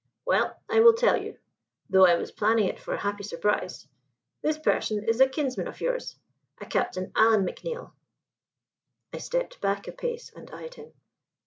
"Well, I will tell you, though I was planning it for a happy surprise. This person is a kinsman of yours a Captain Alan McNeill." I stepped back a pace and eyed him.